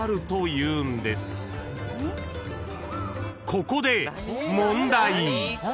［ここで問題］